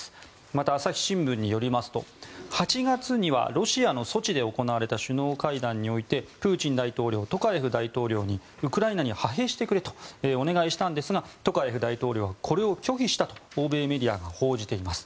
また、朝日新聞によりますと８月にはロシアのソチで行われた首脳会談においてプーチン大統領トカエフ大統領にウクライナに派兵してくれとお願いしたんですがトカエフ大統領はこれを拒否したと欧米メディアが報じています。